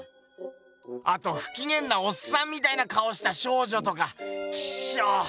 あとふきげんなおっさんみたいな顔をした少女とかキショ！